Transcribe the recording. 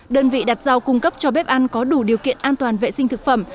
đơn vị đặt rau cung cấp cho bếp ăn có đủ điều kiện an toàn vệ sinh thực phẩm